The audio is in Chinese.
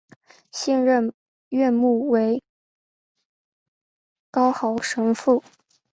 现任院牧为高豪神父。